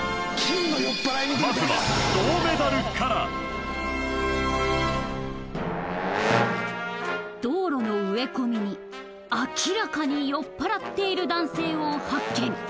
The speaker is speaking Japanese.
まずは銅メダルからに明らかに酔っ払っている男性を発見